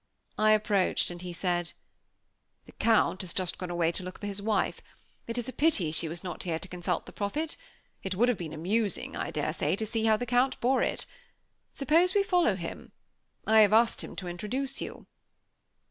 I approached, and he said: "The Count has just gone away to look for his wife. It is a pity she was not here to consult the prophet; it would have been amusing, I daresay, to see how the Count bore it. Suppose we follow him. I have asked him to introduce you."